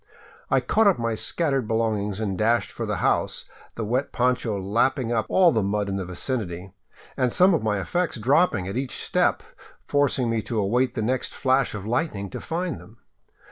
I caught up my scattered belongings and dashed for the house, the wet poncho lap ping up all the mud in the vicinity, and some of my effects dropping at each step, forcing me to await the next flash of lightning to find them.